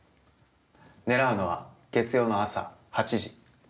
狙うのは月曜の朝８時。